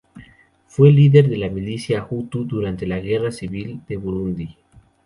Fue líder de la milicia hutu durante la guerra civil de Burundi.